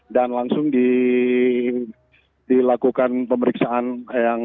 dan langsung dilakukan pemeriksaan yang kurang